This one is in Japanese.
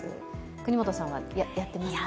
國本さんはやってますか？